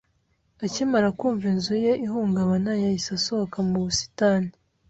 Akimara kumva inzu ye ihungabana, yahise asohoka mu busitani.